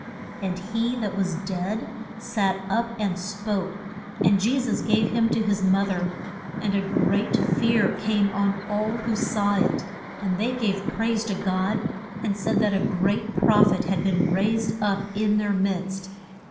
And he that was dead sat up and spoke. And Je sus gave him to his mo ther. And a great fear came on all who saw it, and they gave praise to God, and said that a great proph et had been raised up in their midst.